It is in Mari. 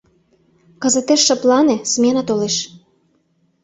Кызытеш шыплане, смена толеш...